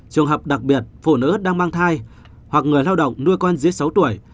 trường hợp đặc biệt phụ nữ đang mang thai hoặc người lao động nuôi con dưới sáu tuổi